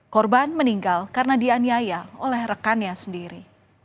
korban meninggal karena dianiaya oleh rekannya sendiri